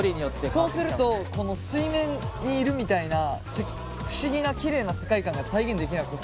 そうするとこの水面にいるみたいな不思議なきれいな世界観が再現できなくて。